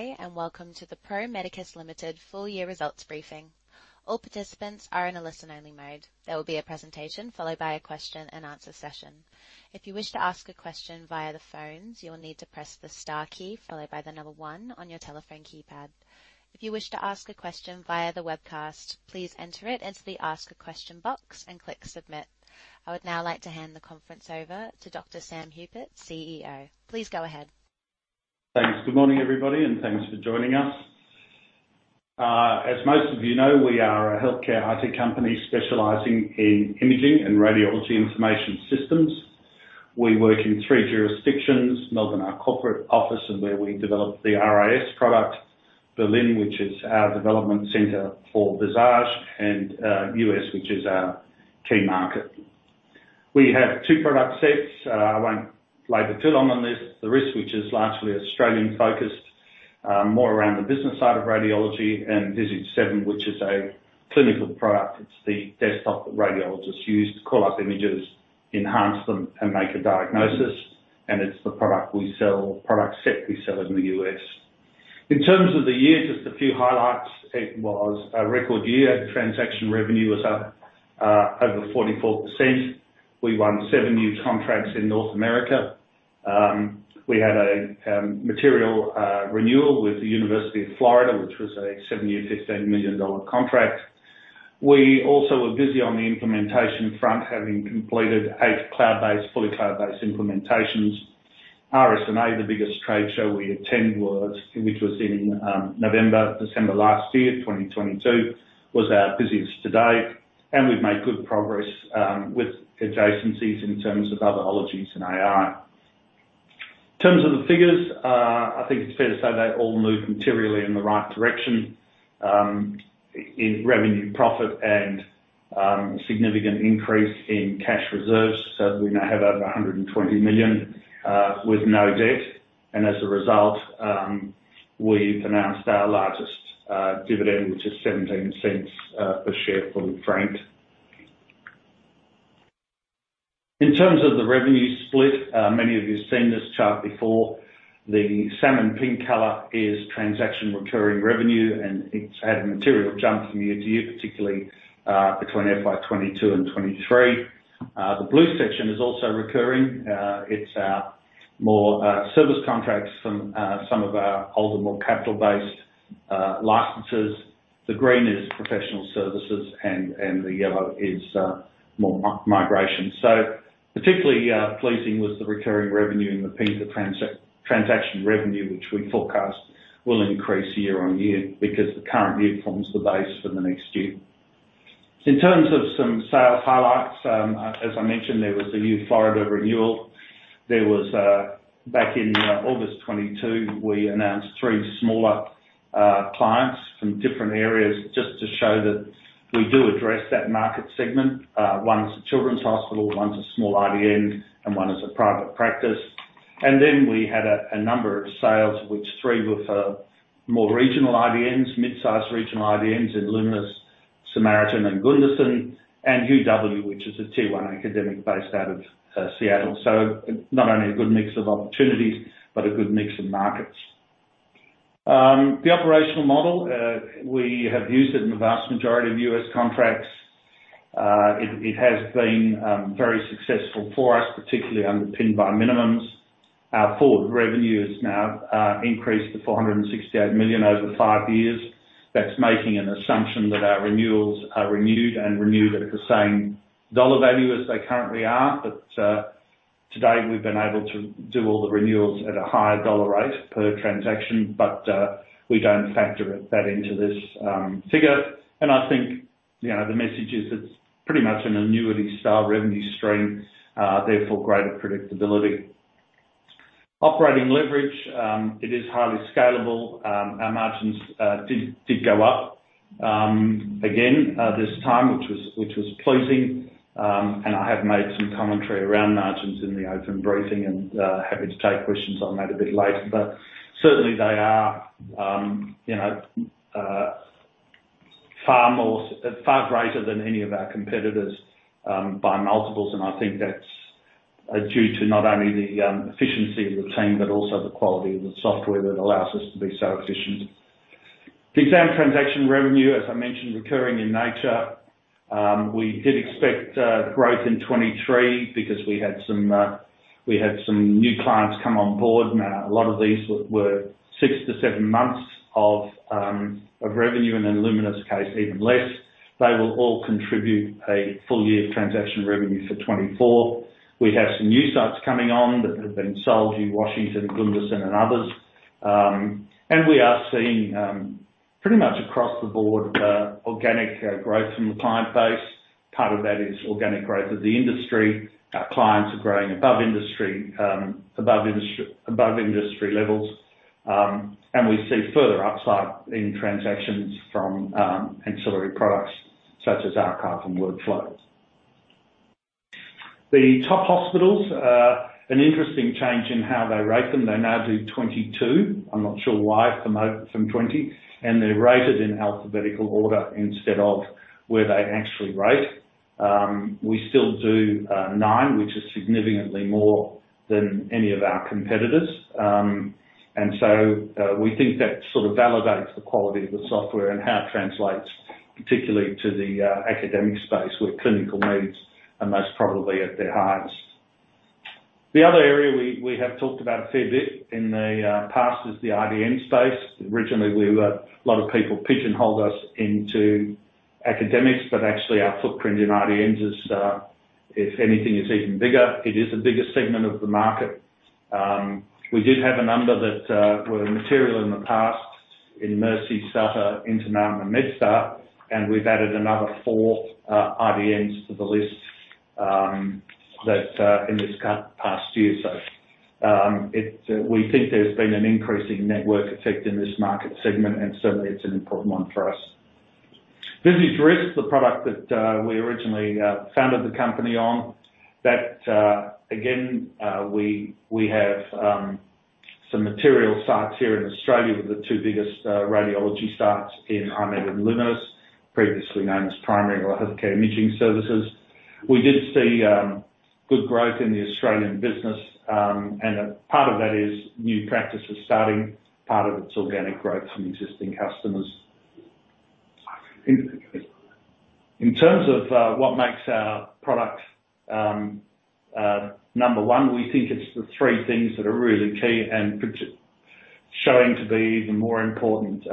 Hi, and welcome to the Pro Medicus Limited Full Year Results Briefing. All participants are in a listen-only mode. There will be a presentation, followed by a question-and-answer session. If you wish to ask a question via the phones, you will need to press the star key, followed by the number one on your telephone keypad. If you wish to ask a question via the webcast, please enter it into the Ask a Question box and click Submit. I would now like to hand the conference over to Dr. Sam Hupert, CEO. Please go ahead. Thanks. Good morning, everybody, and thanks for joining us. As most of you know, we are a healthcare IT company specializing in imaging and radiology information systems. We work in three jurisdictions: Melbourne, our corporate office, and where we develop the RIS product, Berlin, which is our development center for Visage, and US, which is our key market. We have two product sets. I won't labor too long on this. The RIS, which is largely Australian-focused, more around the business side of radiology, and Visage 7, which is a clinical product. It's the desktop that radiologists use to call up images, enhance them, and make a diagnosis, and it's the product set we sell in the US. In terms of the year, just a few highlights. It was a record year. Transaction revenue was up over 44%. We won seven new contracts in North America. We had a material renewal with the University of Florida, which was a seven-year, $15 million contract. We also were busy on the implementation front, having completed eight cloud-based, fully cloud-based implementations. RSNA, the biggest trade show we attend, was. Which was in November, December 2022, was our busiest to date, and we've made good progress with adjacencies in terms of other ologies and AI. In terms of the figures, I think it's fair to say they all moved materially in the right direction, in revenue, profit and significant increase in cash reserves. We now have over 120 million with no debt, and as a result, we've announced our largest dividend, which is 0.17 per share, fully franked. In terms of the revenue split, many of you have seen this chart before. The salmon pink color is transaction recurring revenue, and it's had a material jump from year to year, particularly between FY 22 and 23. The blue section is also recurring. It's our more service contracts from some of our older, more capital-based licenses. The green is professional services, and the yellow is more migration. Particularly pleasing was the recurring revenue in the pink, the transaction revenue, which we forecast will increase year on year because the current year forms the base for the next year. In terms of some sales highlights, as I mentioned, there was a new Florida renewal. There was back in August 2022, we announced three smaller clients from different areas, just to show that we do address that market segment. one's a children's hospital, one's a small IDN, and one is a private practice. We had a number of sales, which three were for more regional IDNs, mid-sized regional IDNs in Luminis Health, Samaritan Health Services, and Gundersen Health System, and UW Medicine, which is a Tier 1 academic based out of Seattle. Not only a good mix of opportunities, but a good mix of markets. The operational model we have used it in the vast majority of U.S. contracts. it, it has been very successful for us, particularly underpinned by minimums. Our forward revenue has now increased to $468 million over five years. That's making an assumption that our renewals are renewed, and renewed at the same dollar value as they currently are. Today, we've been able to do all the renewals at a higher dollar rate per transaction, but we don't factor that into this figure. I think, you know, the message is it's pretty much an annuity-style revenue stream, therefore, greater predictability. Operating leverage. It is highly scalable. Our margins did go up again, this time, which was pleasing. I have made some commentary around margins in the open briefing and happy to take questions on that a bit later. Certainly they are, you know, far more-- far greater than any of our competitors, by multiples, and I think that's due to not only the efficiency of the team, but also the quality of the software that allows us to be so efficient. The exam transaction revenue, as I mentioned, recurring in nature. We did expect growth in 2023 because we had some, we had some new clients come on board, and a lot of these were, were 6-7 months of revenue, and in Luminis case, even less. They will all contribute a full year of transaction revenue for 2024. We have some new sites coming on that have been sold in University of Washington, Gundersen Health System, and others. We are seeing pretty much across the board organic growth from the client base. Part of that is organic growth of the industry. Our clients are growing above industry levels. We see further upside in transactions from ancillary products such as archive and workflow. The top hospitals, an interesting change in how they rate them. They now do 22, I'm not sure why, from 20, and they're rated in alphabetical order instead of where they actually rate. We still do 9, which is significantly more than any of our competitors. We think that sort of validates the quality of the software and how it translates, particularly to the academic space, where clinical needs are most probably at their highest. The other area we have talked about a fair bit in the past is the RDM space. Originally, we were a lot of people pigeonholed us into academics, but actually, our footprint in RDMs is, if anything, is even bigger. It is the biggest segment of the market. We did have a number that were material in the past in Mercy, Sutter, Intermountain, and MedStar, and we've added another four RDMs to the list that in this past year, so. We think there's been an increasing network effect in this market segment, and certainly, it's an important one for us. Visage RIS, the product that we originally founded the company on, that again, we have some material sites here in Australia with the two biggest radiology sites in I-MED and Lumus, previously known as Primary Health Care Imaging Services. We did see good growth in the Australian business. A part of that is new practices starting, part of it's organic growth from existing customers. In terms of what makes our product, number one, we think it's the three things that are really key and showing to be even more important,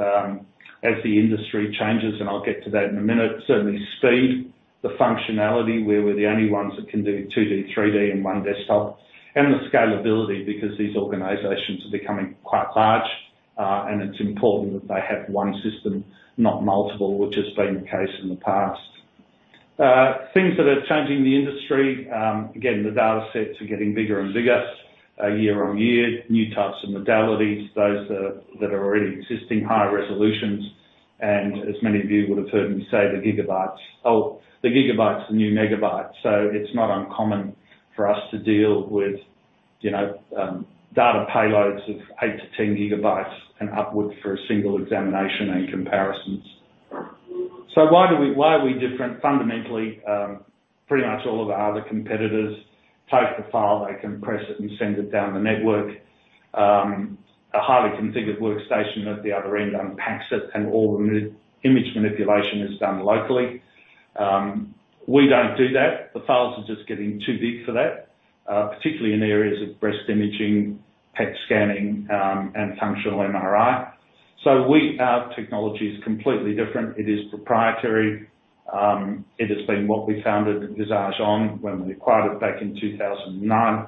as the industry changes, I'll get to that in a minute. Certainly speed, the functionality, where we're the only ones that can do 2D, 3D in one desktop. The scalability, because these organizations are becoming quite large. It's important that they have one system, not multiple, which has been the case in the past. Things that are changing the industry, again, the data sets are getting bigger and bigger, year on year, new types of modalities, those that are, that are already existing, higher resolutions, and as many of you would have heard me say, the gigabytes. Oh, the gigabyte's the new megabyte, so it's not uncommon for us to deal with, you know, data payloads of 8 to 10 gigabytes and upward for a single examination and comparisons. Why do we-- why are we different? Fundamentally, pretty much all of our other competitors take the file, they compress it, and send it down the network. A highly configured workstation at the other end unpacks it, and all the image manipulation is done locally. We don't do that. The files are just getting too big for that, particularly in areas of breast imaging, PET scanning, and functional MRI. Our technology is completely different. It is proprietary. It has been what we founded Visage on when we acquired it back in 2009.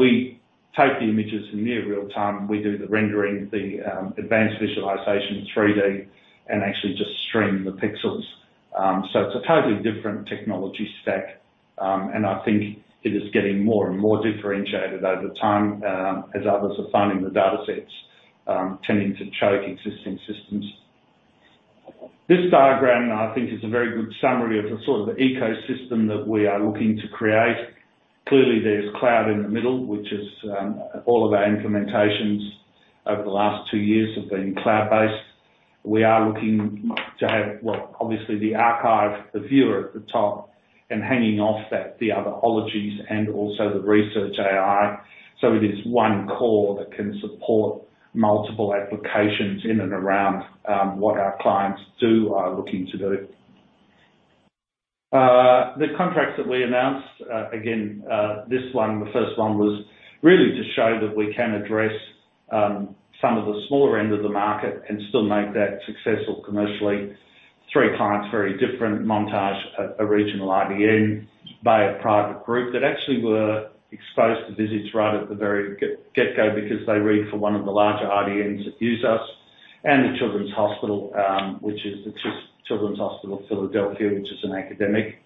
We take the images in near real time. We do the rendering, the advanced visualization, 3D, and actually just stream the pixels. It's a totally different technology stack, and I think it is getting more and more differentiated over time, as others are finding the datasets, tending to choke existing systems. This diagram, I think, is a very good summary of the sort of ecosystem that we are looking to create. Clearly, there's cloud in the middle, which is, all of our implementations over the last two years have been cloud-based. We are looking to have, well, obviously, the archive, the viewer at the top, and hanging off that, the other ologies and also the research AI. It is one core that can support multiple applications in and around, what our clients do, are looking to do. The contracts that we announced, again, this one, the first one, was really to show that we can address, some of the smaller end of the market and still make that successful commercially. 3 clients, very different Montage, a, a regional RDM, by a private group that actually were exposed to Visage right at the very get, get-go because they read for one of the larger RDMs that use us, and the The Children's Hospital of Philadelphia, which is an academic.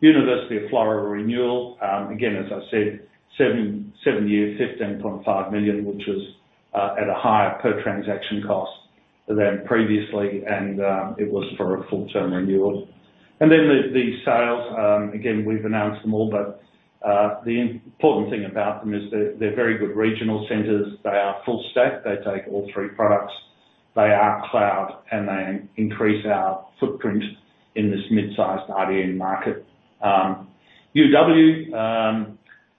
University of Florida renewal, again, as I said, 7, 7 years, $15.5 million, which was at a higher per transaction cost than previously, it was for a full-term renewal. Then the, the sales, again, we've announced them all, but the important thing about them is that they're very good regional centers. They are full stack. They take all 3 products. They are cloud, they increase our footprint in this mid-sized RDM market. UW,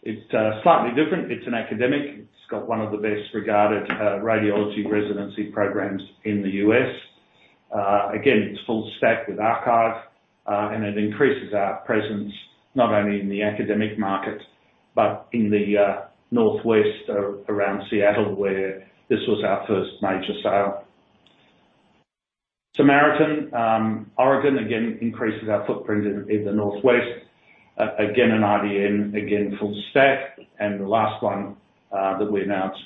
it's slightly different. It's an academic. It's got one of the best-regarded radiology residency programs in the U.S. Again, it's full stack with archive, and it increases our presence, not only in the academic market, but in the Northwest, around Seattle, where this was our first major sale. Samaritan, Oregon, again, increases our footprint in the Northwest. Again, an RDM, again, full stack. The last one that we announced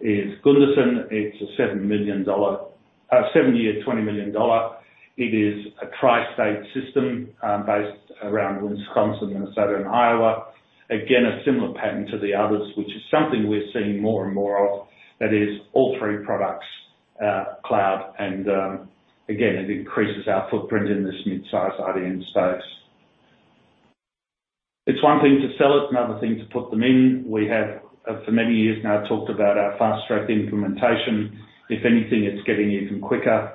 is Gundersen. It's a seven-year, $20 million. It is a tri-state system, based around Wisconsin, Minnesota, and Iowa. Again, a similar pattern to the others, which is something we're seeing more and more of. That is all three products, cloud, and again, it increases our footprint in this mid-sized RDM space. It's one thing to sell it, another thing to put them in. We have, for many years now, talked about our fast track implementation. If anything, it's getting even quicker.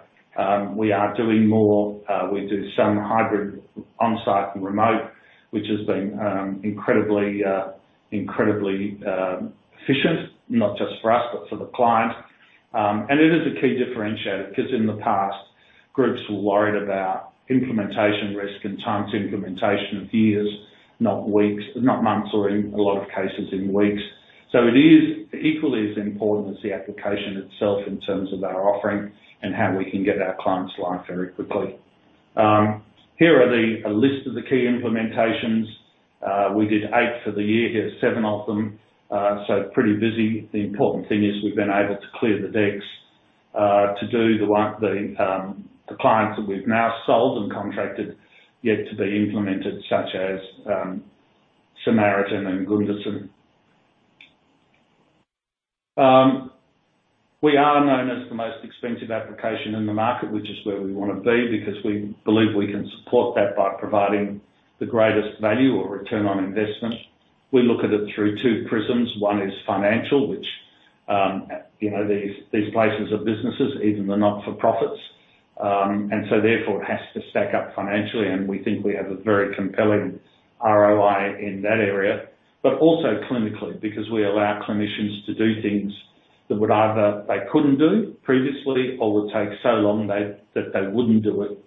We are doing more. We do some hybrid on-site and remote, which has been incredibly, incredibly efficient, not just for us, but for the client. It is a key differentiator, 'cause in the past, groups were worried about implementation risk and time to implementation of years, not weeks, not months, or in a lot of cases, in weeks. It is equally as important as the application itself in terms of our offering and how we can get our clients live very quickly. Here are the, a list of the key implementations. We did eight for the year, here's seven of them. Pretty busy. The important thing is we've been able to clear the decks, to do the clients that we've now sold and contracted, yet to be implemented, such as, Samaritan and Gundersen. We are known as the most expensive application in the market, which is where we want to be, because we believe we can support that by providing the greatest value or return on investment. We look at it through two prisms. One is financial, which, you know, these, these places are businesses, even the not-for-profits. So therefore, it has to stack up financially, and we think we have a very compelling ROI in that area. Also clinically, because we allow clinicians to do things that would either they couldn't do previously or would take so long they, that they wouldn't do it.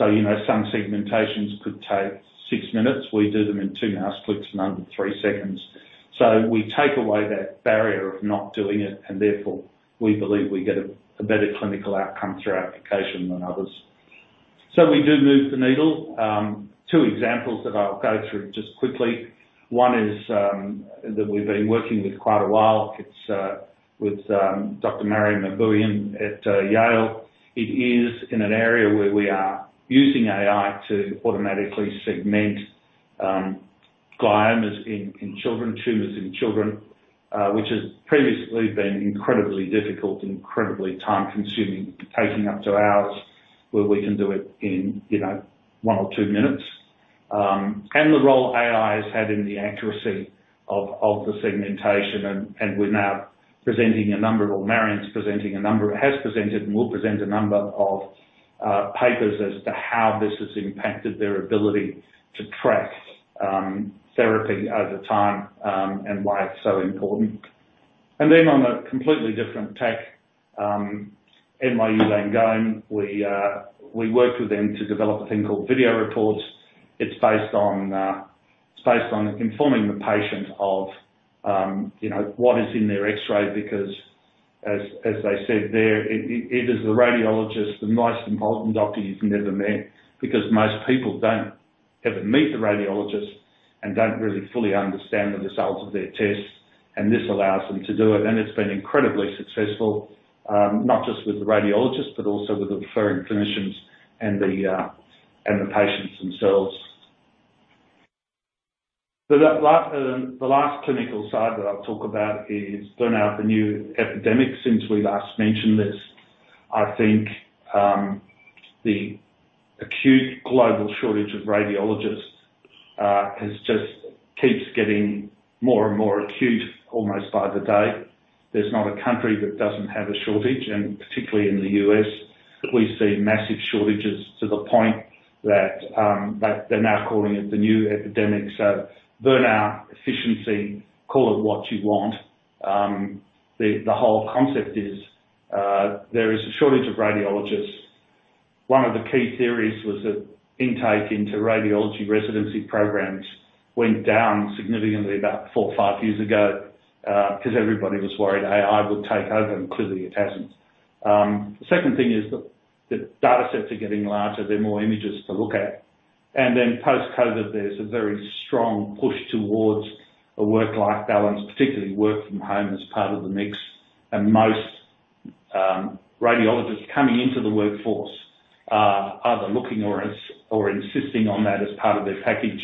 You know, some segmentations could take 6 minutes. We do them in 2 mouse clicks in under 3 seconds. We take away that barrier of not doing it, and therefore, we believe we get a better clinical outcome through our application than others. We do move the needle. 2 examples that I'll go through just quickly. One is that we've been working with quite a while. It's with Dr. Mariam Aboian at Yale. It is in an area where we are using AI to automatically segment gliomas in children, tumors in children, which has previously been incredibly difficult and incredibly time-consuming, taking up to hours, where we can do it in, you know, 1 or 2 minutes. The role AI has had in the accuracy of, of the segmentation, and, and we're now presenting a number, or Mariam's presenting a number, has presented and will present a number of papers as to how this has impacted their ability to track therapy over time, and why it's so important. On a completely different tack, NYU Langone, we worked with them to develop a thing called Video Reports. It's based on, it's based on informing the patient of, you know, what is in their X-ray, because as, as they said, there it, it is the radiologist, the most important doctor you've never met, because most people don't ever meet the radiologist and don't really fully understand the results of their tests, and this allows them to do it. It's been incredibly successful, not just with the radiologists, but also with the referring clinicians and the and the patients themselves. The last clinical side that I'll talk about is burnout, the new epidemic since we last mentioned this. I think the acute global shortage of radiologists has just keeps getting more and more acute almost by the day. There's not a country that doesn't have a shortage, and particularly in the U.S., we see massive shortages to the point that they're now calling it the new epidemic. Burnout, efficiency, call it what you want, the whole concept is, there is a shortage of radiologists. One of the key theories was that intake into radiology residency programs went down significantly about four or five years ago, because everybody was worried AI would take over, and clearly it hasn't. Second thing is the, the datasets are getting larger. There are more images to look at. Then post-COVID, there's a very strong push towards a work-life balance, particularly work from home, as part of the mix. Most radiologists coming into the workforce are either looking or insisting on that as part of their package.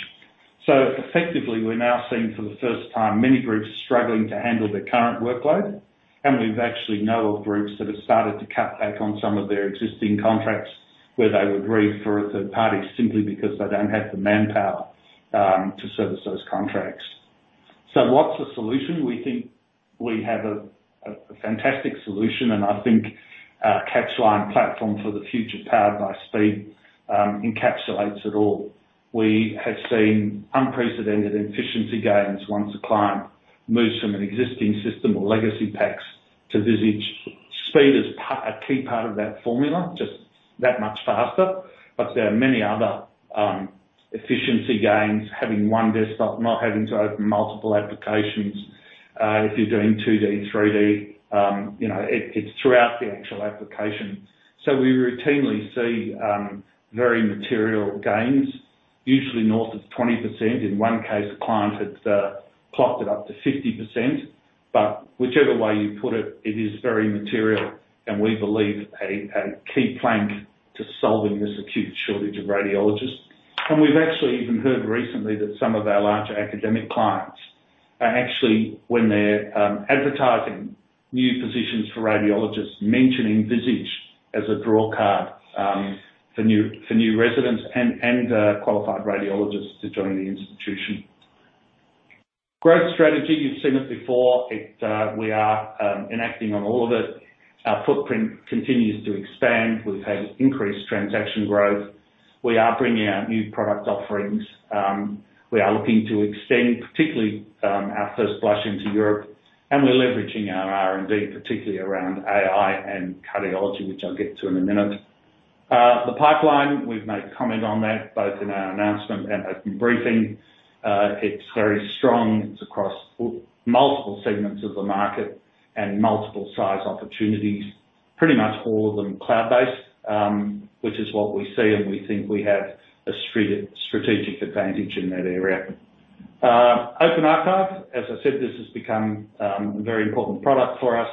Effectively, we're now seeing for the first time, many groups struggling to handle their current workload, and we actually know of groups that have started to cut back on some of their existing contracts where they would agree for a third party, simply because they don't have the manpower, to service those contracts. What's the solution? We think we have a fantastic solution, and I think our tagline platform for the future, powered by speed, encapsulates it all. We have seen unprecedented efficiency gains once a client moves from an existing system or legacy PACS to Visage. Speed is a key part of that formula, just that much faster. There are many other efficiency gains, having one desktop, not having to open multiple applications, if you're doing 2D, 3D, you know, it's throughout the actual application. We routinely see very material gains, usually north of 20%. In one case, a client had clocked it up to 50%, but whichever way you put it, it is very material, and we believe a key plank to solving this acute shortage of radiologists. We've actually even heard recently that some of our larger academic clients are actually when they're advertising new positions for radiologists, mentioning Visage as a draw card for new, for new residents and qualified radiologists to join the institution. Growth strategy, you've seen it before. It's we are enacting on all of it. Our footprint continues to expand. We've had increased transaction growth. We are bringing out new product offerings. We are looking to extend, particularly, our first blush into Europe, and we're leveraging our R&D, particularly around AI and cardiology, which I'll get to in a minute. The pipeline, we've made comment on that, both in our announcement and at the briefing. It's very strong. It's across multiple segments of the market and multiple size opportunities, pretty much all of them cloud-based, which is what we see, and we think we have a strategic advantage in that area. Open Archive, as I said, this has become a very important product for us.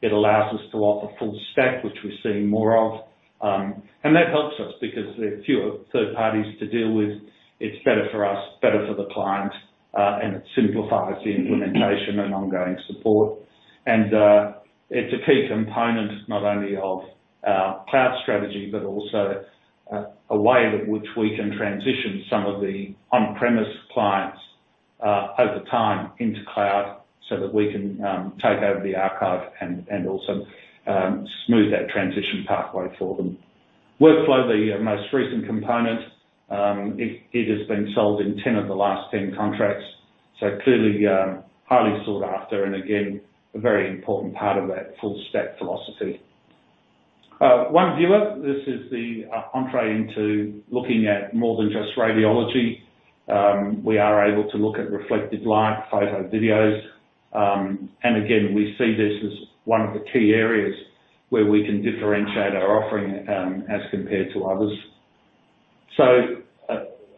It allows us to offer full stack, which we're seeing more of. That helps us because there are fewer third parties to deal with. It's better for us, better for the client, and it simplifies the implementation and ongoing support. It's a key component not only of our cloud strategy, but also a way in which we can transition some of the on-premise clients over time into cloud, so that we can take over the archive and also smooth that transition pathway for them. Workflow, the most recent component, it, it has been sold in 10 of the last 10 contracts, so clearly, highly sought after, and again, a very important part of that full stack philosophy. One Viewer, this is the entree into looking at more than just radiology. We are able to look at reflected light, photo, videos. Again, we see this as one of the key areas where we can differentiate our offering as compared to others.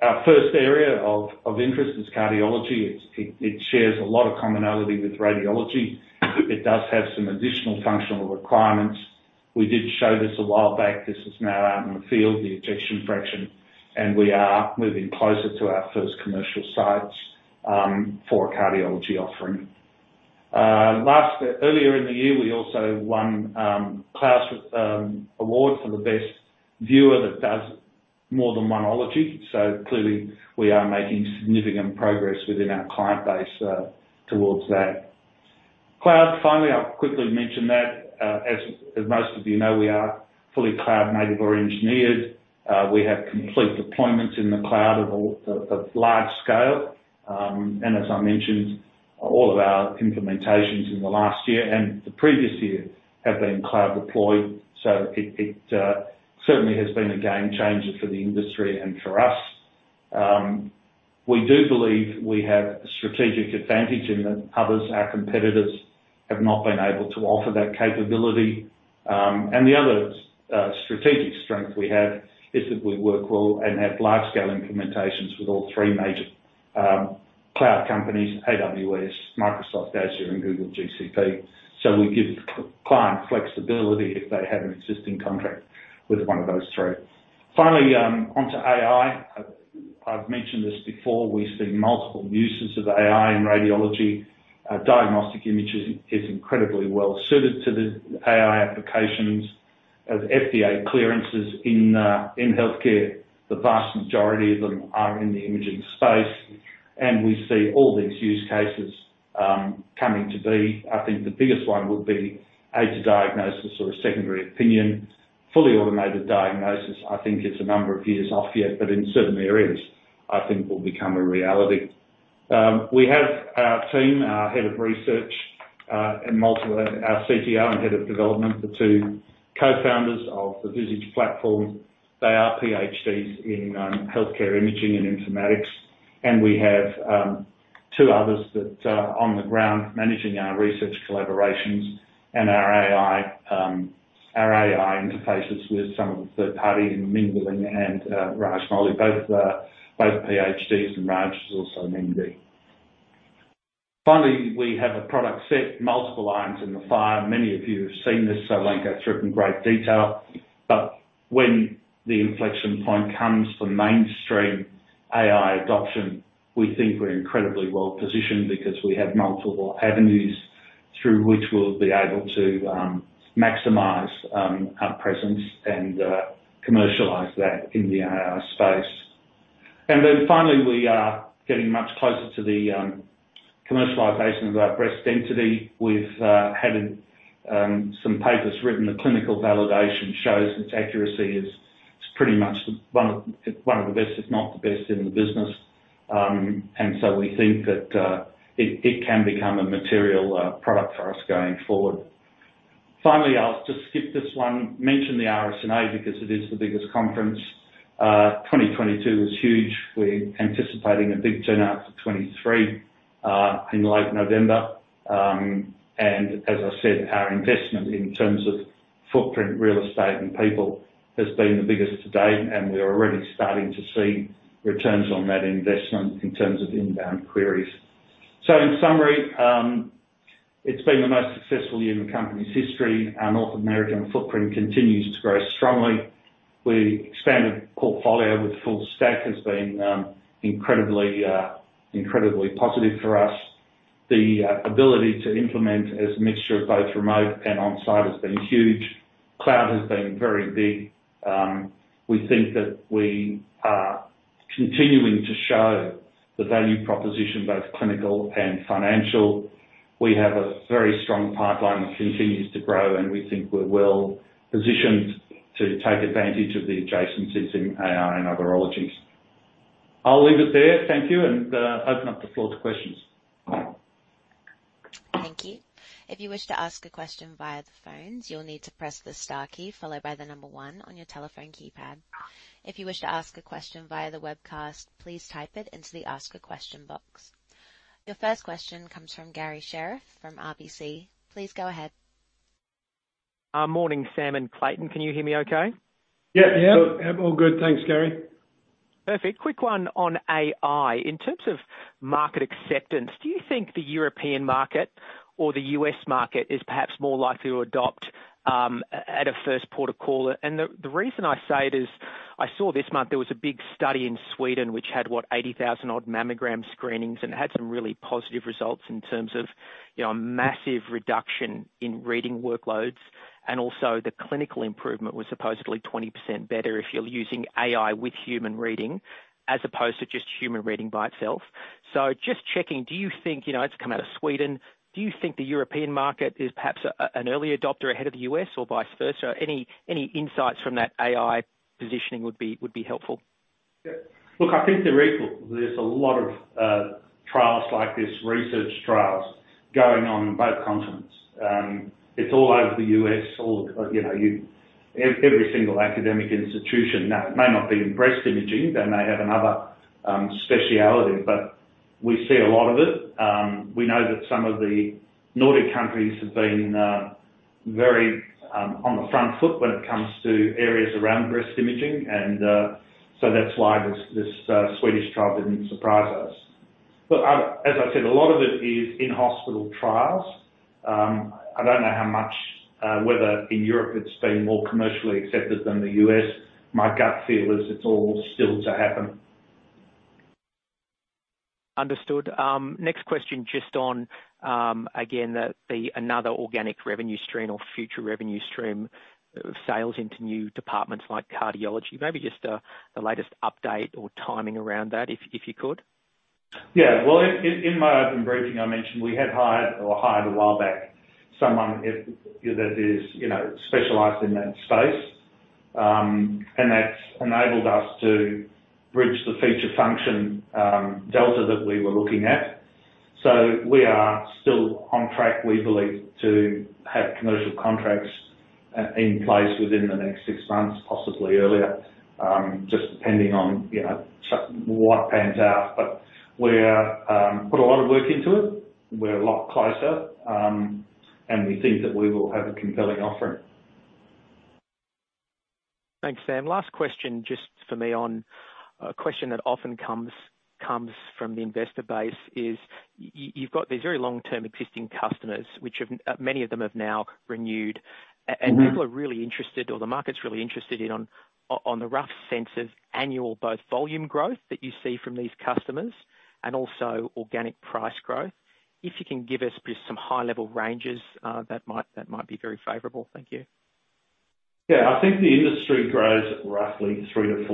Our first area of, of interest is cardiology. It's, it, it shares a lot of commonality with radiology. It does have some additional functional requirements. We did show this a while back. This is now out in the field, the ejection fraction, and we are moving closer to our first commercial sites for a cardiology offering. Last, earlier in the year, we also won, KLAS Award for the best viewer that does more than one ology. Clearly, we are making significant progress within our client base towards that. Cloud, finally, I'll quickly mention that as, as most of you know, we are fully cloud-native or engineered. We have complete deployments in the cloud of large scale. As I mentioned, all of our implementations in the last year and the previous year have been cloud-deployed, so it, it certainly has been a game changer for the industry and for us. We do believe we have strategic advantage in that others, our competitors, have not been able to offer that capability. The other strategic strength we have is that we work well and have large-scale implementations with all three major cloud companies, AWS, Microsoft Azure, and Google GCP. We give client flexibility if they have an existing contract with one of those three. Finally, onto AI. I've, I've mentioned this before, we see multiple uses of AI in radiology. Diagnostic images is incredibly well suited to the AI applications. As FDA clearances in healthcare, the vast majority of them are in the imaging space, and we see all these use cases coming to be. I think the biggest one would be aid to diagnosis or a secondary opinion. Fully automated diagnosis, I think it's a number of years off yet, but in certain areas, I think will become a reality. We have our team, our head of research, our CTO and head of development, the two cofounders of the Visage platform. They are PhDs in healthcare imaging and informatics, and we have two others that are on the ground managing our research collaborations and our AI, our AI interfaces with some of the third party, Ming Lin and Raj Moli, both both PhDs, and Raj is also an MD. Finally, we have a product set, multiple irons in the fire. Many of you have seen this, so I won't go through it in great detail. When the inflection point comes for mainstream AI adoption, we think we're incredibly well positioned because we have multiple avenues through which we'll be able to maximize our presence and commercialize that in the AI space. Finally, we are getting much closer to the commercialization of our breast density. We've had some papers written. The clinical validation shows its accuracy is pretty much one of the best, if not the best, in the business. We think that it can become a material product for us going forward. Finally, I'll just skip this one. Mention the RSNA, because it is the biggest conference. 2022 was huge. We're anticipating a big turnout for 2023 in late November. As I said, our investment in terms of footprint, real estate, and people, has been the biggest to date, and we're already starting to see returns on that investment in terms of inbound queries. In summary, it's been the most successful year in the company's history. Our North American footprint continues to grow strongly. We expanded portfolio with full stack, has been incredibly positive for us. The ability to implement as a mixture of both remote and on-site has been huge. Cloud has been very big. We think that we are continuing to show the value proposition, both clinical and financial. We have a very strong pipeline that continues to grow, and we think we're well positioned to take advantage of the adjacencies in AR and other ologies. I'll leave it there. Thank you, and open up the floor to questions. Thank you. If you wish to ask a question via the phones, you'll need to press the star key followed by one on your telephone keypad. If you wish to ask a question via the webcast, please type it into the Ask a Question box. Your first question comes from Garry Sherriff from RBC. Please go ahead. Morning, Sam and Clayton. Can you hear me okay? Yeah. Yeah. All good. Thanks, Garry. Perfect. Quick one on AI. In terms of market acceptance, do you think the European market or the US market is perhaps more likely to adopt at, at a first port of call? The, the reason I say it is, I saw this month there was a big study in Sweden, which had, what? 80,000 odd mammogram screenings, and it had some really positive results in terms of, you know, a massive reduction in reading workloads, and also the clinical improvement was supposedly 20% better if you're using AI with human reading, as opposed to just human reading by itself. Just checking, do you think, you know, it's come out of Sweden, do you think the European market is perhaps a, an early adopter ahead of the US or vice versa? Any, any insights from that AI positioning would be, would be helpful. Yeah. Look, I think they're equal. There's a lot of trials like this, research trials, going on in both continents. It's all over the U.S., all, you know, every single academic institution. Now, it may not be in breast imaging, they may have another specialty, but we see a lot of it. We know that some of the Nordic countries have been very on the front foot when it comes to areas around breast imaging, so that's why this, this Swedish trial didn't surprise us. As I said, a lot of it is in-hospital trials. I don't know how much whether in Europe it's been more commercially accepted than the U.S. My gut feel is it's all still to happen. Understood. Next question, just on, again, the another organic revenue stream or future revenue stream, sales into new departments like cardiology. Maybe just, the latest update or timing around that, if you could? Yeah. Well, in, in, in my open briefing, I mentioned we had hired or hired a while back, someone it, that is, you know, specialized in that space. That's enabled us to bridge the feature function, delta that we were looking at. We are still on track, we believe, to have commercial contracts, in place within the next six months, possibly earlier, just depending on, you know, what pans out. We are, put a lot of work into it. We're a lot closer, and we think that we will have a compelling offering. Thanks, Sam. Last question, just for me on a question that often comes, comes from the investor base is, you've got these very long-term existing customers, which have, many of them have now renewed. People are really interested, or the market's really interested in the rough sense of annual, both volume growth that you see from these customers and also organic price growth. If you can give us just some high-level ranges that might, that might be very favorable. Thank you. I think the industry grows at roughly 3%-4%.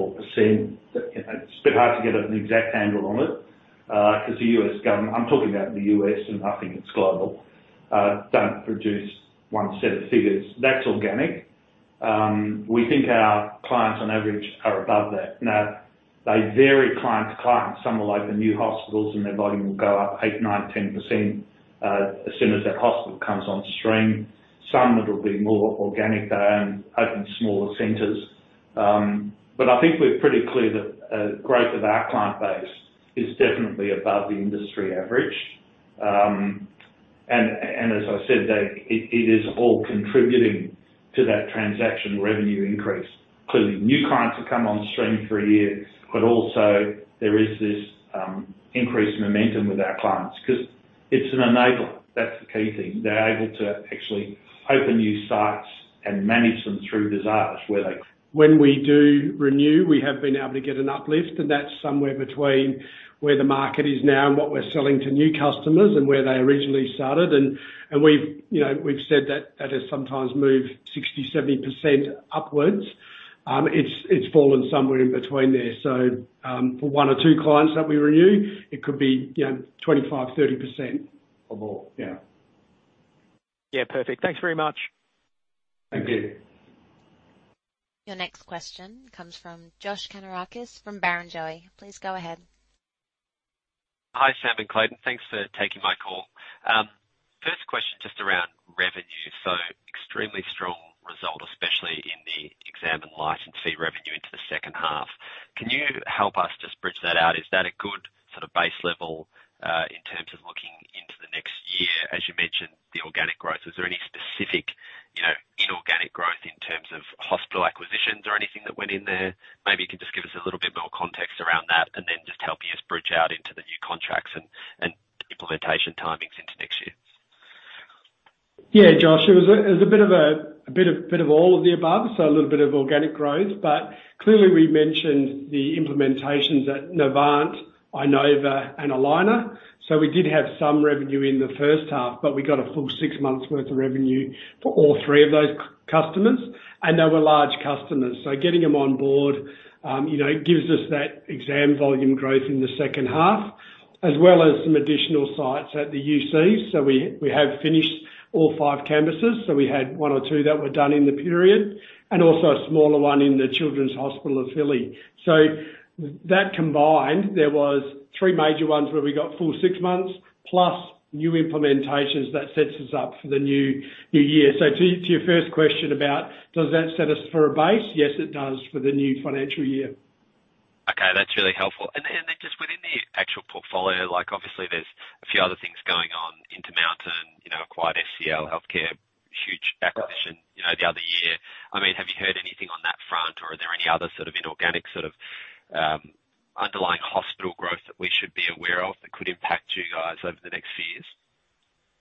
It's a bit hard to get an exact handle on it because the U.S. government, I'm talking about in the U.S., and I think it's global, don't produce one set of figures. That's organic. We think our clients, on average, are above that. They vary client to client. Some are like the new hospitals, and their volume will go up 8%, 9%, 10% as soon as that hospital comes on stream. Some that will be more organic, they own open, smaller centers. I think we're pretty clear that growth of our client base is definitely above the industry average. As I said, that it, it is all contributing to that transaction revenue increase. Clearly, new clients have come on stream through years, also there is this increased momentum with our clients because it's an enabler. That's the key thing. They're able to actually open new sites and manage them through Visage, where they- When we do renew, we have been able to get an uplift, and that's somewhere between where the market is now and what we're selling to new customers and where they originally started. We've, you know, we've said that that has sometimes moved 60%-70% upwards. It's, it's fallen somewhere in between there. For one or two clients that we renew, it could be, you know, 25%-30% or more. Yeah. Yeah, perfect. Thanks very much. Thank you. Your next question comes from Josh Kannourakis from Barrenjoey. Please go ahead. Hi, Sam and Clayton. Thanks for taking my call. First question, just around revenue. Extremely strong result, especially in the exam and license fee revenue into the H2. Can you help us just bridge that out? Is that a good sort of base level, in terms of looking into the next year? As you mentioned, the organic growth, is there any specific, you know-... growth in terms of hospital acquisitions or anything that went in there? Maybe you can just give us a little bit more context around that, and then just helping us bridge out into the new contracts and, and implementation timings into next year. Yeah, Josh, it was a bit of all of the above, so a little bit of organic growth. Clearly we mentioned the implementations at Novant, Inova, and Allina. We did have some revenue in the H1, but we got a full 6 months worth of revenue for all three of those customers, and they were large customers. Getting them on board, you know, gives us that exam volume growth in the H2, as well as some additional sites at the UC. We, we have finished all 5 campuses, so we had 1 or 2 that were done in the period, and also a smaller one in the Children's Hospital of Philly. That combined, there was 3 major ones where we got full 6 months, plus new implementations that sets us up for the new, new year. To your first question about, does that set us for a base? Yes, it does, for the new financial year. Okay, that's really helpful. Just within the actual portfolio, like, obviously there's a few other things going on. Intermountain, you know, acquired SCL Health, huge acquisition, you know, the other year. I mean, have you heard anything on that front, or are there any other sort of inorganic, sort of, underlying hospital growth that we should be aware of that could impact you guys over the next few years?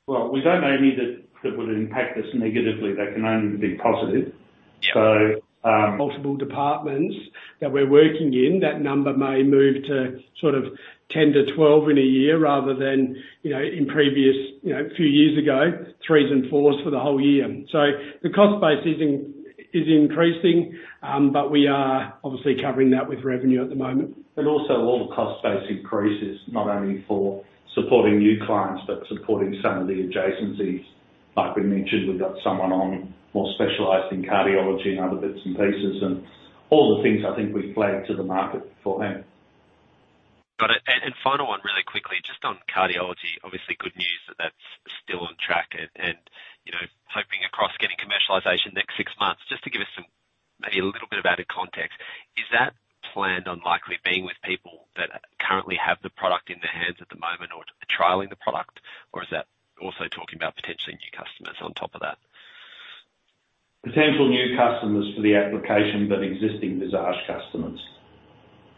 Well, we don't know any that, that would impact us negatively. They can only be positive. Sure. Multiple departments that we're working in, that number may move to sort of 10-12 in a year rather than, you know, in previous, you know, a few years ago, 3 and 4 for the whole year. The cost base is increasing, but we are obviously covering that with revenue at the moment. Also all the cost base increases, not only for supporting new clients, but supporting some of the adjacencies. Like we mentioned, we've got someone on more specialized in cardiology and other bits and pieces, and all the things I think we've flagged to the market beforehand. Got it. Final one, really quickly, just on cardiology, obviously good news that that's still on track and, and, you know, hoping across getting commercialization next six months. Just to give us some, maybe a little bit of added context, is that planned on likely being with people that currently have the product in their hands at the moment or trialing the product? Or is that also talking about potentially new customers on top of that? Potential new customers for the application, existing Visage customers.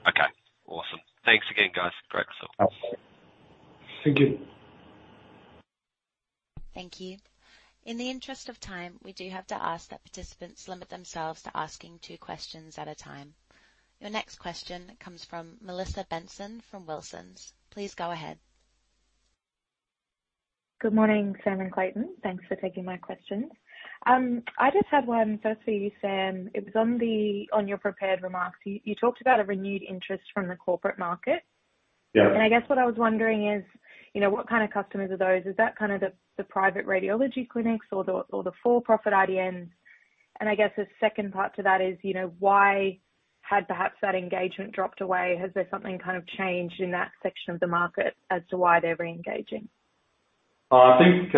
Okay, awesome. Thanks again, guys. Great stuff. Thank you. Thank you. In the interest of time, we do have to ask that participants limit themselves to asking two questions at a time. Your next question comes from Melissa Benson, from Wilsons. Please go ahead. Good morning, Sam and Clayton. Thanks for taking my questions. I just had one first for you, Sam. It was on your prepared remarks. You talked about a renewed interest from the corporate market. Yeah. I guess what I was wondering is, you know, what kind of customers are those? Is that kind of the private radiology clinics or the for-profit IDNs? I guess the second part to that is, you know, why had perhaps that engagement dropped away? Has there something kind of changed in that section of the market as to why they're reengaging? I think,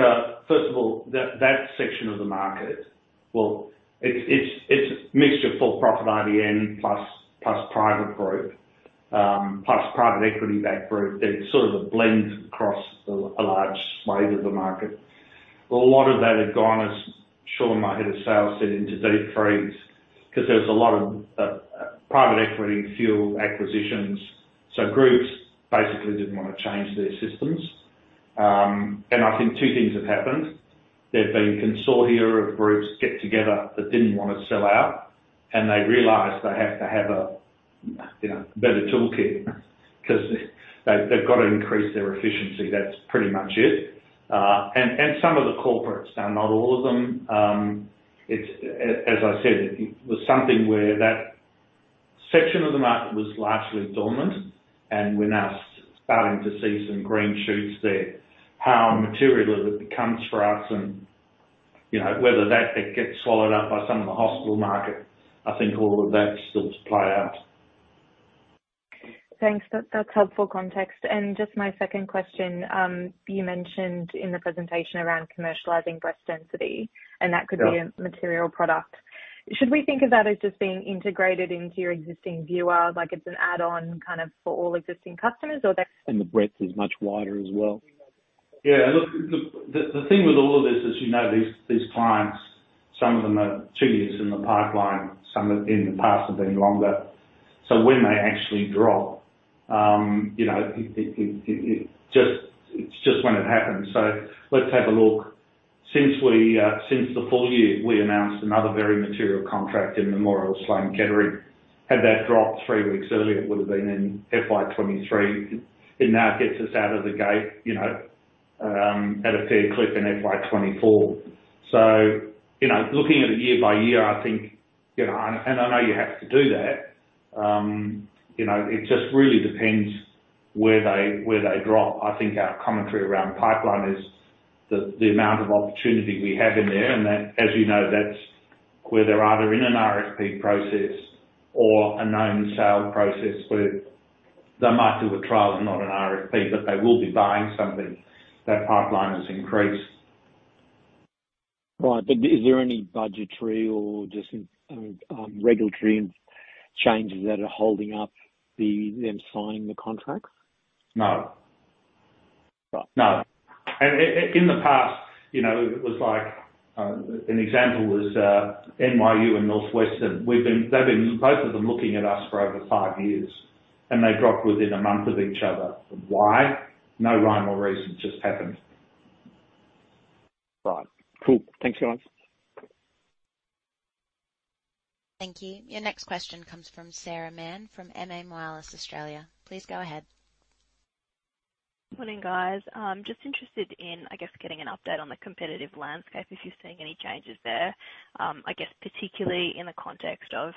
first of all, that, that section of the market, well, it's, it's, it's a mixture of for-profit IDN plus, plus private group, plus private equity-backed group. It's sort of a blend across a, a large swathe of the market. A lot of that had gone, as Sean, my head of sales, said, into deep freeze, 'cause there was a lot of private equity fuel acquisitions. Groups basically didn't want to change their systems. I think two things have happened. There've been consortia of groups get together that didn't want to sell out, and they realized they have to have a, you know, better toolkit 'cause they've, they've got to increase their efficiency. That's pretty much it. And some of the corporates, now not all of them, it's... As I said, it was something where that section of the market was largely dormant, and we're now starting to see some green shoots there. How material it becomes for us and, you know, whether that then gets swallowed up by some of the hospital market, I think all of that's still to play out. Thanks. That's helpful context. Just my second question, you mentioned in the presentation around commercializing Breast density. Yeah That could be a material product. Should we think of that as just being integrated into your existing viewer, like it's an add-on kind of for all existing customers, or that... The breadth is much wider as well. Yeah, look, the, the thing with all of this is, you know, these, these clients, some of them are two years in the pipeline, some of them in the past have been longer. When they actually drop, you know, it, it, it, it just. It's just when it happens. Let's have a look. Since we, since the full year, we announced another very material contract in Memorial Sloan Kettering. Had that dropped three weeks earlier, it would've been in FY 2023. It now gets us out of the gate, you know, at a fair clip in FY 2024. You know, looking at it year by year, I think, you know, and, and I know you have to do that, you know, it just really depends where they, where they drop. I think our commentary around the pipeline is the, the amount of opportunity we have in there, and that, as you know, that's where they're either in an RFP process or a known sale process where they might do a trial and not an RFP, but they will be buying something. That pipeline has increased. Right. Is there any budgetary or just regulatory changes that are holding up the, them signing the contracts? No. No. In the past, you know, it was like an example was NYU and Northwestern. We've been. They've been, both of them, looking at us for over 5 years, and they dropped within 1 month of each other. Why? No rhyme or reason, just happened. Right. Cool. Thanks, guys. Thank you. Your next question comes from Sarah Mann, from MA Moelis Australia. Please go ahead. Morning, guys. I'm just interested in, I guess, getting an update on the competitive landscape, if you're seeing any changes there. I guess, particularly in the context of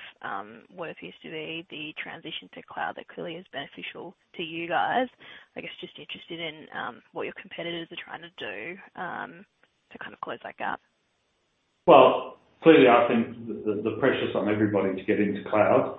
what appears to be the transition to cloud, that clearly is beneficial to you guys. I guess, just interested in what your competitors are trying to do to kind of close that gap. Well, clearly, I think the pressure's on everybody to get into cloud.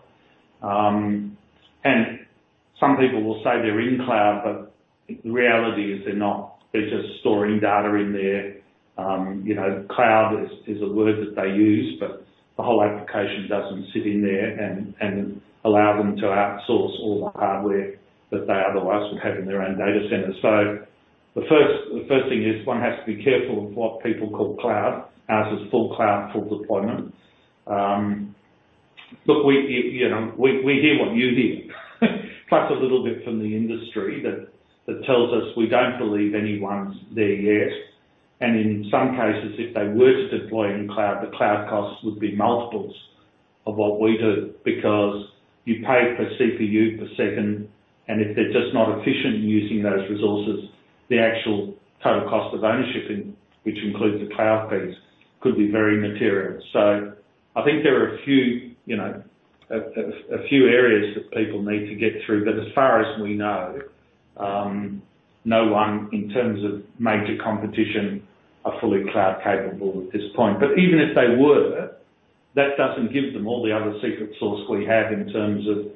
Some people will say they're in cloud, but the reality is they're not. They're just storing data in there. You know, cloud is, is a word that they use, but the whole application doesn't sit in there and, and allow them to outsource all the hardware that they otherwise would have in their own data center. The first thing is, one has to be careful of what people call cloud. Ours is full cloud, full deployment. Look, we, you know, we hear what you hear, plus a little bit from the industry that, that tells us we don't believe anyone's there yet. In some cases, if they were to deploy in cloud, the cloud costs would be multiples of what we do, because you pay per CPU per second, and if they're just not efficient in using those resources, the actual total cost of ownership, in which includes the cloud fees, could be very material. I think there are a few, you know, few areas that people need to get through. As far as we know, no one, in terms of major competition, are fully cloud capable at this point. Even if they were, that doesn't give them all the other secret sauce we have in terms of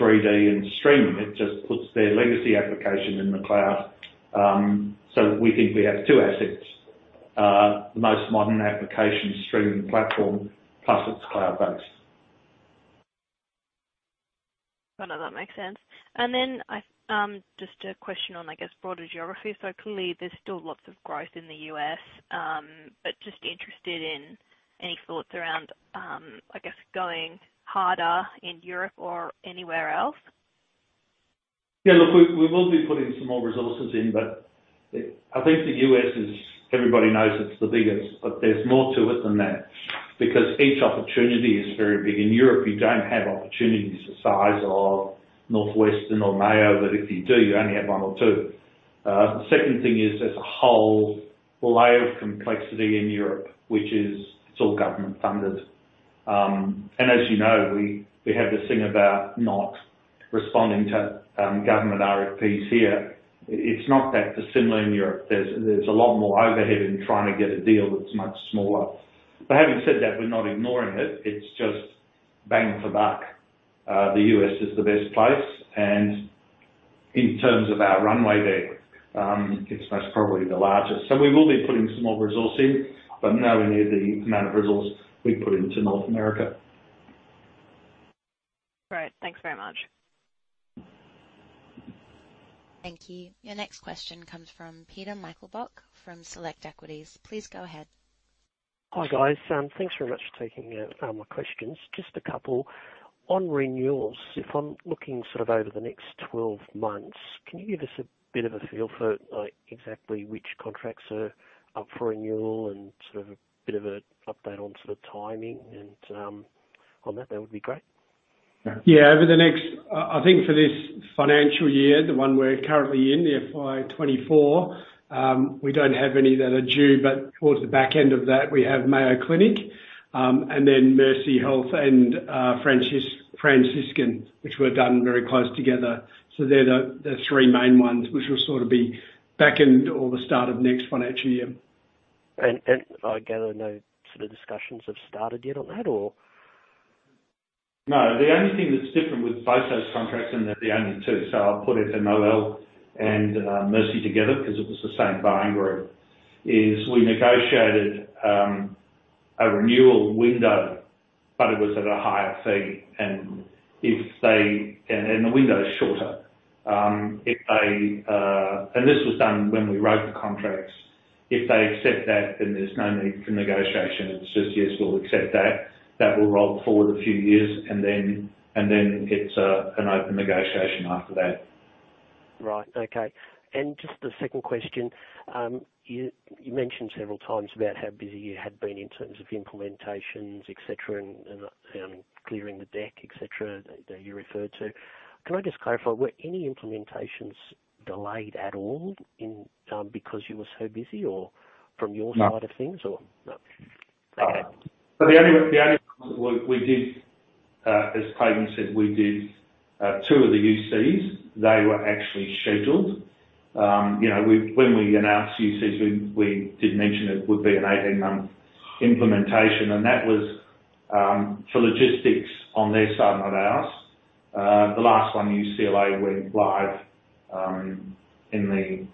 3D and streaming. It just puts their legacy application in the cloud. So we think we have two assets, the most modern application streaming platform, plus it's cloud-based. No, no, that makes sense. I, just a question on, I guess, broader geography. Clearly there's still lots of growth in the U.S., but just interested in any thoughts around, I guess, going harder in Europe or anywhere else? Yeah, look, we, we will be putting some more resources in, but I, I think the U.S. is. Everybody knows it's the biggest, but there's more to it than that because each opportunity is very big. In Europe, you don't have opportunities the size of Northwestern or Mayo, that if you do, you only have one or two. The second thing is, there's a whole layer of complexity in Europe, which is it's all government funded. As you know, we, we have this thing about not responding to government RFPs here. It's not that dissimilar in Europe. There's, there's a lot more overhead in trying to get a deal that's much smaller. Having said that, we're not ignoring it. It's just bang for buck. The U.S. is the best place, and in terms of our runway there, it's most probably the largest. We will be putting some more resource in, but nowhere near the amount of resource we put into North America. Great. Thanks very much. Thank you. Your next question comes from Peter Michael Bok, from Select Equities. Please go ahead. Hi, guys. thanks very much for taking my questions. Just a couple. On renewals, if I'm looking sort of over the next 12 months, can you give us a bit of a feel for, like, exactly which contracts are up for renewal and sort of a bit of an update on sort of timing and on that? That would be great. Yeah, I think for this financial year, the one we're currently in, the FY 2024, we don't have any that are due, but towards the back end of that, we have Mayo Clinic, and then Mercy Health and Franciscan, which were done very close together. They're the three main ones, which will sort of be back end or the start of next financial year. I gather no sort of discussions have started yet on that or? The only thing that's different with both those contracts, and they're the only two, so I'll put it to MOL and Mercy Health together, because it was the same buying group, is we negotiated a renewal window, but it was at a higher fee, and if they. The window is shorter. If they, and this was done when we wrote the contracts, if they accept that, then there's no need for negotiation. It's just, "Yes, we'll accept that." That will roll forward a few years, and then, and then it's an open negotiation after that. Right. Okay. Just the second question, you, you mentioned several times about how busy you had been in terms of implementations, et cetera, and clearing the deck, et cetera, that you referred to. Can I just clarify, were any implementations delayed at all in because you were so busy or from your side of things or...? No. No. Okay. The only, the only one we, we did, as Clayton said, we did, two of the UCs. They were actually scheduled. You know, we- when we announced UCs, we, we did mention it would be an 18-month implementation, and that was for logistics on their side, not ours. The last one, UCLA, went live in the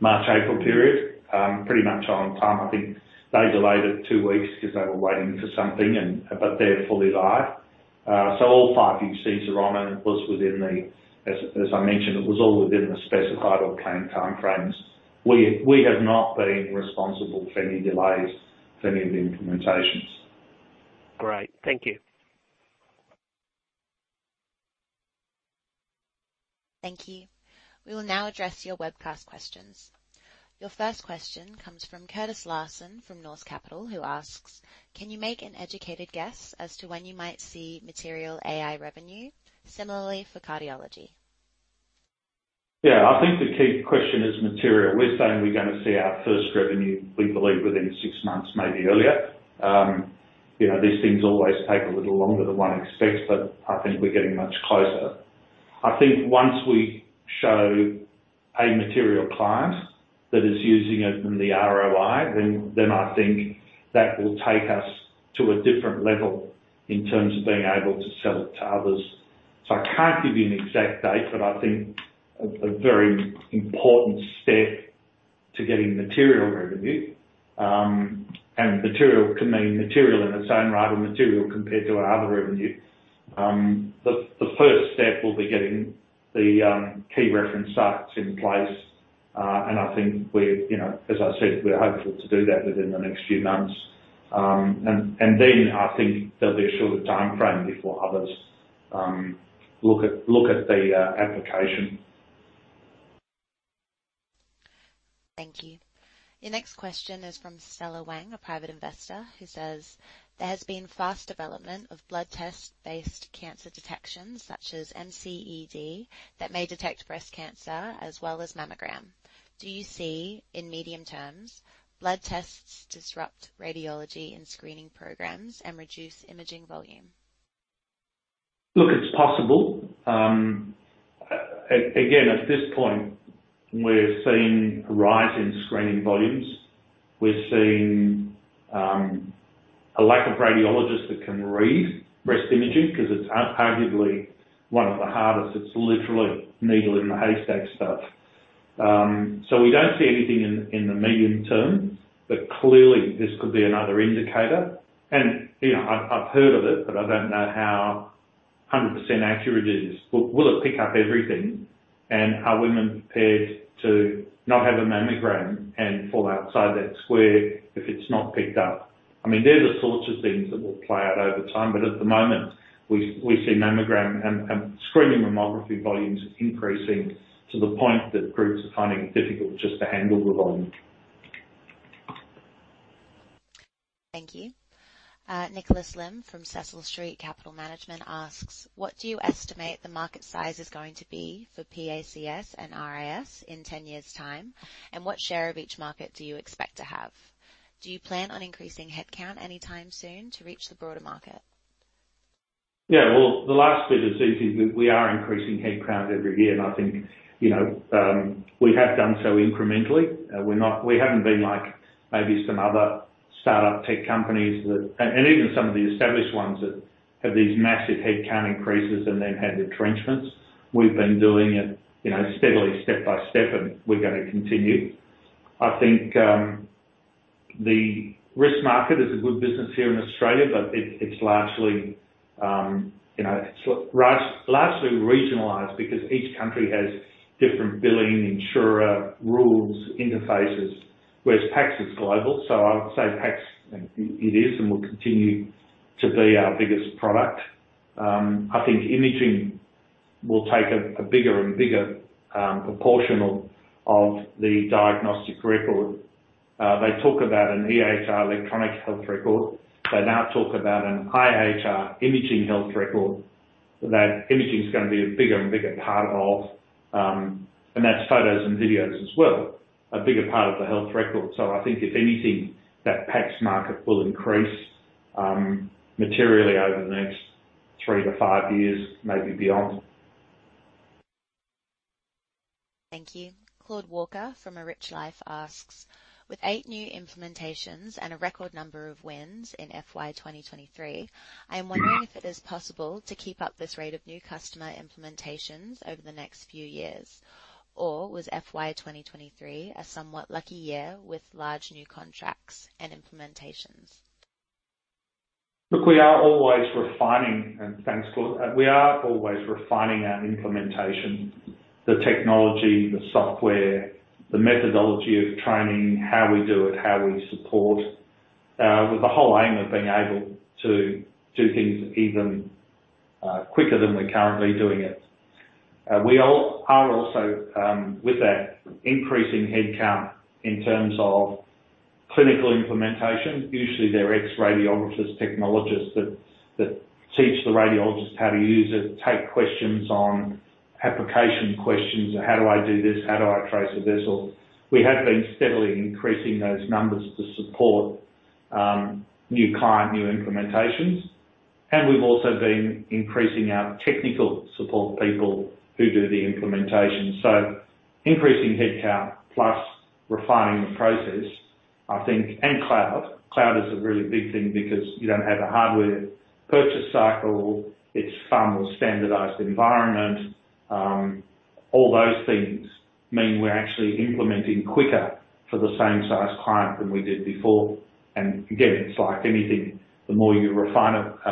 March-April period, pretty much on time. I think they delayed it two weeks because they were waiting for something, but they're fully live. So all five UCs are on, and it was within the, as, as I mentioned, it was all within the specified or came time frames. We, we have not been responsible for any delays for any of the implementations. Great. Thank you. Thank you. We will now address your webcast questions. Your first question comes from Curtis Larson, from North Capital, who asks: Can you make an educated guess as to when you might see material AI revenue? Similarly for cardiology. Yeah, I think the key question is material. We're saying we're gonna see our first revenue, we believe, within six months, maybe earlier. You know, these things always take a little longer than one expects, but I think we're getting much closer. I think once we show a material client that is using it in the ROI, then I think that will take us to a different level in terms of being able to sell it to others. I can't give you an exact date, but I think a very important step to getting material revenue, and material can mean material in its own right or material compared to our other revenue. The first step will be getting the key reference sites in place. I think we're, you know, as I said, we're hopeful to do that within the next few months. And then I think there'll be a shorter timeframe before others, look at, look at the application. Thank you. Your next question is from Stella Wang, a private investor, who says: There has been fast development of blood test-based cancer detections, such as MCED, that may detect breast cancer as well as mammogram. Do you see, in medium terms, blood tests disrupt radiology and screening programs and reduce imaging volume? Look, it's possible. again, at this point, we're seeing a rise in screening volumes. We're seeing a lack of radiologists that can read breast imaging, 'cause it's arguably one of the hardest. It's literally a needle in the haystack stuff. We don't see anything in the medium term, but clearly this could be another indicator. You know, I've heard of it, but I don't know how 100% accurate it is. Will, will it pick up everything? Are women prepared to not have a mammogram and fall outside that square if it's not picked up? I mean, they're the sorts of things that will play out over time, but at the moment, we've, we see mammogram and screening mammography volumes increasing to the point that groups are finding it difficult just to handle the volume. Thank you. Nicholas Lim from Cecil Street Capital Management asks: What do you estimate the market size is going to be for PACS and RIS in 10 years' time? What share of each market do you expect to have? Do you plan on increasing headcount anytime soon to reach the broader market? Yeah, well, the last bit is easy. We, we are increasing headcount every year. I think, you know, we have done so incrementally. We haven't been like maybe some other start-up tech companies that... and even some of the established ones that have these massive headcount increases and then have entrenchments. We've been doing it, you know, steadily, step by step, and we're gonna continue. I think, the RIS market is a good business here in Australia. It's, it's largely, you know, largely regionalized because each country has different billing, insurer, rules, interfaces, whereas PACS is global. I would say PACS, it is and will continue to be our biggest product. I think imaging will take a, a bigger and bigger proportion of, of the diagnostic record. They talk about an EHR, electronic health record. They now talk about an IHR, imaging health record, that imaging is gonna be a bigger and bigger part of. That's photos and videos as well, a bigger part of the health record. I think if anything, that PACS market will increase materially over the next 3-5 years, maybe beyond. Thank you. Claude Walker from A Rich Life asks: With 8 new implementations and a record number of wins in FY 2023, I'm wondering if it is possible to keep up this rate of new customer implementations over the next few years, or was FY 2023 a somewhat lucky year with large new contracts and implementations? Look, we are always refining, and thanks, Claude. We are always refining our implementation, the technology, the software, the methodology of training, how we do it, how we support, with the whole aim of being able to do things even quicker than we're currently doing it. We all are also, with that increasing headcount in terms of clinical implementation, usually, they're ex-radiographers, technologists, that, that teach the radiologists how to use it, take questions on application questions. How do I do this? How do I trace a vessel? We have been steadily increasing those numbers to support, new client, new implementations, and we've also been increasing our technical support people who do the implementation. Increasing headcount plus refining the process, I think, and cloud. Cloud is a really big thing because you don't have a hardware purchase cycle. It's far more standardized environment. All those things mean we're actually implementing quicker for the same size client than we did before. Again, it's like anything, the more you refine it,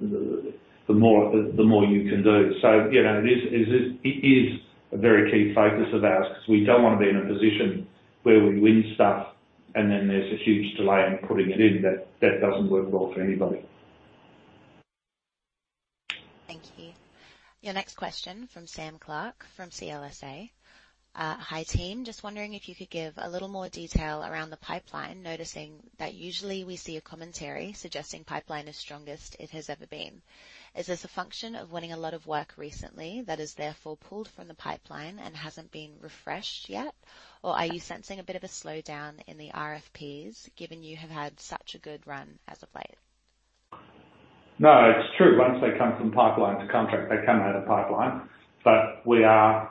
the, the more, the more you can do. You know, it is, it is, it is a very key focus of ours, because we don't want to be in a position where we win stuff and then there's a huge delay in putting it in. That, that doesn't work well for anybody. Thank you. Your next question from Sam Clark from CLSA. "Hi, team. Just wondering if you could give a little more detail around the pipeline, noticing that usually we see a commentary suggesting pipeline is strongest it has ever been. Is this a function of winning a lot of work recently that is therefore pulled from the pipeline and hasn't been refreshed yet? Or are you sensing a bit of a slowdown in the RFPs, given you have had such a good run as of late? No, it's true. Once they come from pipeline to contract, they come out of pipeline. We are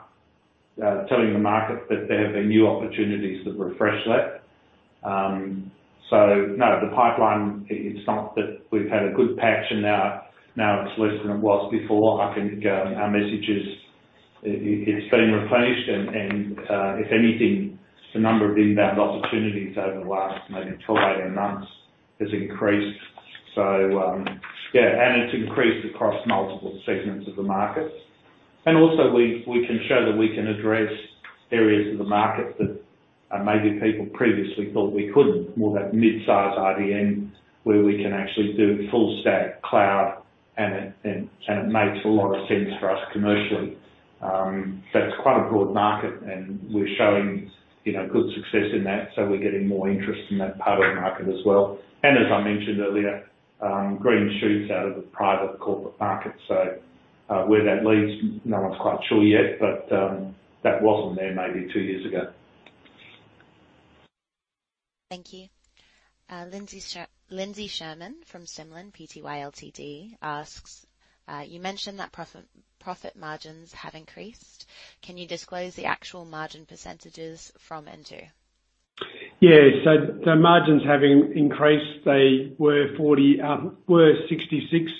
telling the market that there have been new opportunities that refresh that. No, the pipeline, it's not that we've had a good patch and now, now it's less than it was before. I think our message is it, it, it's been replenished, and, and if anything, the number of inbound opportunities over the last maybe 12, 18 months has increased. Yeah, it's increased across multiple segments of the market. Also, we, we can show that we can address areas of the market that maybe people previously thought we couldn't. More of that mid-size RDM, where we can actually do full stack cloud, and it, and, and it makes a lot of sense for us commercially. It's quite a broad market, and we're showing, you know, good success in that, so we're getting more interest in that part of the market as well. As I mentioned earlier, green shoots out of the private corporate market. Where that leads, no one's quite sure yet, but that wasn't there maybe 2 years ago. Thank you. Lindsay Sherman from Simlin Pty Ltd asks, "You mentioned that profit margins have increased. Can you disclose the actual margin percentages from H2? Yeah. The margins have increased. They were 40, were 66,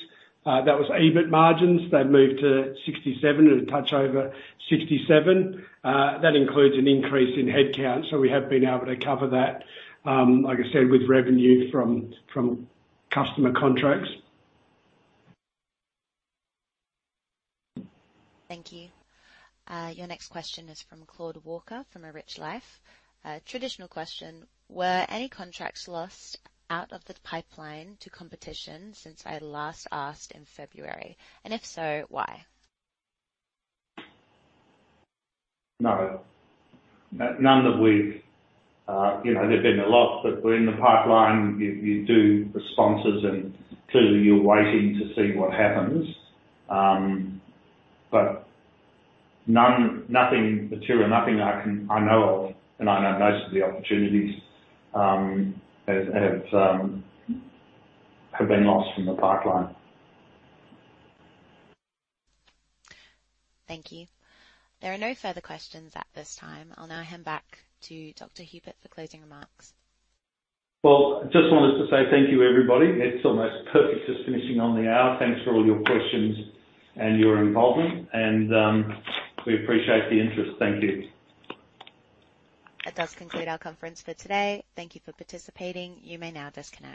that was EBIT margins. They've moved to 67 and a touch over 67. That includes an increase in headcount, so we have been able to cover that, like I said, with revenue from, from customer contracts. Thank you. Your next question is from Claude Walker, from A Rich Life. Traditional question: "Were any contracts lost out of the pipeline to competition since I last asked in February? And if so, why? No. N-none that we've... you know, there've been a lot, but we're in the pipeline. You, you do responses, and clearly you're waiting to see what happens. But none, nothing material, nothing I can, I know of, and I know most of the opportunities, have been lost from the pipeline. Thank you. There are no further questions at this time. I'll now hand back to Dr. Hupert for closing remarks. Well, I just wanted to say thank you, everybody. It's almost perfect, just finishing on the hour. Thanks for all your questions and your involvement, and we appreciate the interest. Thank you. That does conclude our conference for today. Thank you for participating. You may now disconnect.